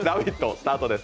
スタートです。